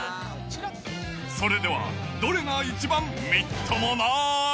それではどれが一番みっともなーい？